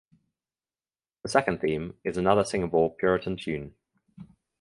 The second theme is another singable "Puritan tune".